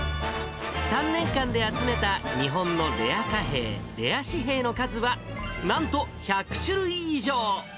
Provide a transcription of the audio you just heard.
３年間で集めた日本のレア貨幣、レア紙幣の数は、なんと１００種類以上。